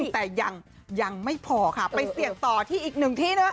แต่ยังไม่พอค่ะไปเสี่ยงต่อที่อีกหนึ่งที่นะ